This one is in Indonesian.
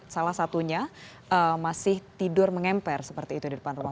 salah satunya masih tidur mengemper seperti itu di depan rumah